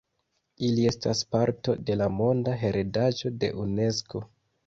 Ili estas parto de la Monda heredaĵo de Unesko.